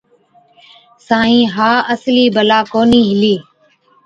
سائِين، ها اَصلِي بَلا ڪونهِي هِلِي۔